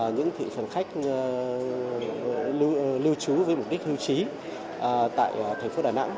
những thị phần khách lưu trú với mục đích hưu trí tại thành phố đà nẵng